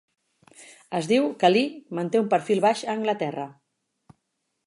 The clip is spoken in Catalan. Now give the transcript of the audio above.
Es diu que Lee manté un perfil baix a Anglaterra.